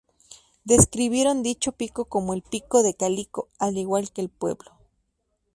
Describieron dicho pico como "el pico de Calico" al igual que el pueblo.